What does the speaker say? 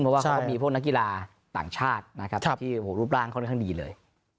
เพราะว่าเขาก็มีพวกนักกีฬาต่างชาตินะครับที่รูปร่างค่อนข้างดีเลย